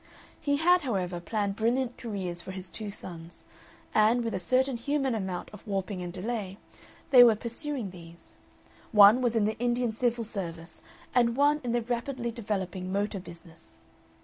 He had, however, planned brilliant careers for his two sons, and, with a certain human amount of warping and delay, they were pursuing these. One was in the Indian Civil Service and one in the rapidly developing motor business.